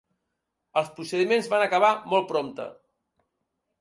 Els procediments van acabar molt prompte.